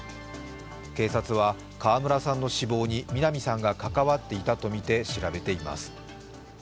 警察は川村さんの死亡に南さんが関わっていたとみて調べています。